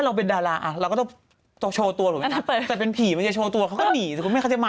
เราเป็นดาราเราต้องโชว์ตัวถูกไหมครับ